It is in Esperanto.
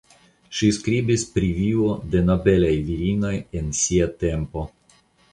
Ŝi skribis pri vivo de nobelaj virinoj en sia tempo.